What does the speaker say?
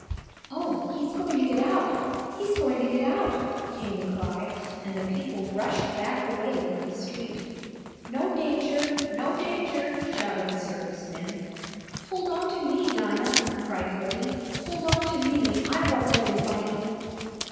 "Oh, he's going to get out! He's going to get out!" came the cry and the people rushed back away from the street. "No danger! No danger!" shouted the circus men. "Hold on to me, Dinah!" cried Freddie. "Hold on to me. I won't let him bite you!"